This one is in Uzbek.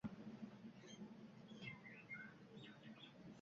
Nega endi, aynan shu bugun... shular ko‘zimga ko‘rinyapti?»